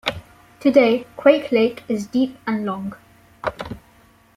Today, Quake Lake is deep and long.